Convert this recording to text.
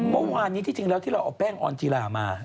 เมื่อวานนี้ที่จริงแล้วที่เราเอาแป้งออนจีรามา